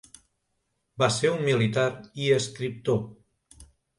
Va ser un militar i escriptor.